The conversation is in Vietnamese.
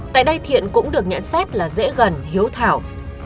tại đây thiện cũng được nhận xét là dễ gần hiếu thảo